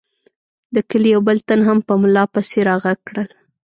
د کلي یو بل تن هم په ملا پسې را غږ کړل.